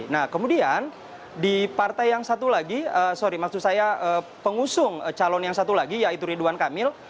nah kemudian di partai yang satu lagi sorry maksud saya pengusung calon yang satu lagi yaitu ridwan kamil